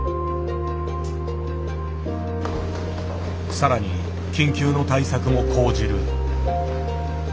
更に緊急の対策も講じる。